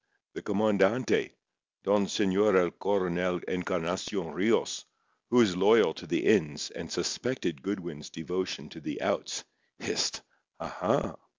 _" The comandante, Don Señor el Coronel Encarnación Rios, who was loyal to the Ins and suspected Goodwin's devotion to the Outs, hissed: "Aha!"